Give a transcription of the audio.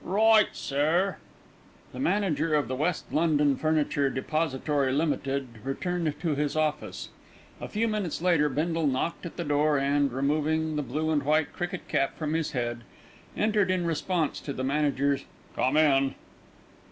"Right, sir." The manager of the West London Furniture Depository, Ltd., returned to his office. A few minutes later Bindle knocked at the door and, removing the blue and white cricket cap from his head, entered in response to the manager's, "Come in."